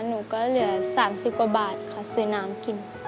หนูก็เหลือ๓๐กว่าบาทค่ะซื้อน้ำกิน